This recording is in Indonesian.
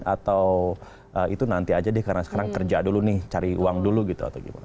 atau itu nanti aja deh karena sekarang kerja dulu nih cari uang dulu gitu atau gimana